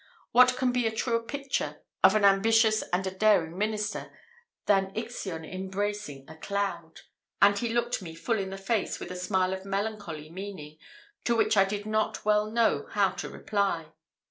What can be a truer picture of an ambitious and a daring minister, than Ixion embracing a cloud?" and he looked me full in the face, with a smile of melancholy meaning, to which I did not well know how to reply.